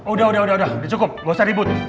udah udah udah udah udah cukup gak usah ribut